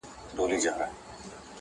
نور د عصمت کوڅو ته مه وروله.!